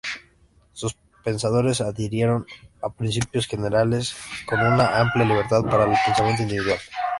Sus pensadores adhirieron a principios generales con una amplia libertad para el pensamiento individual.